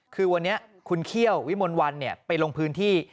คือวันนี้คุณเขี้ยววิมลวันไปลงพื้นที่